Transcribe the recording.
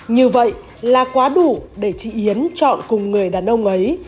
như vậy là quá đủ để chị yến chọn cùng người đàn ông ấy